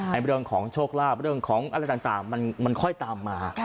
เรื่องของโชคลาภเรื่องของอะไรต่างมันค่อยตามมา